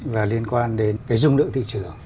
và liên quan đến cái dung lượng thị trường